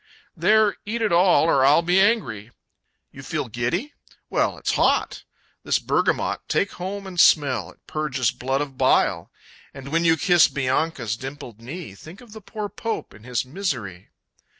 There, eat it all or I'll Be angry! You feel giddy? Well, it's hot! This bergamot Take home and smell it purges blood of bile! And when you kiss Bianca's dimpled knee, Think of the poor Pope in his misery!